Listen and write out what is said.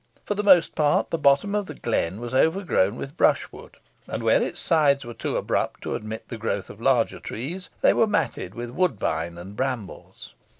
For the most part the bottom of the glen was overgrown with brushwood, and, where its sides were too abrupt to admit the growth of larger trees, they were matted with woodbine and brambles.